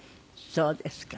そうですか。